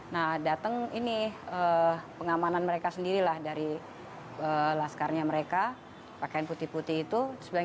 nah datang ini pengamanan mereka sendirilah dari laskarnya mereka pakaian putih putih itu sebagian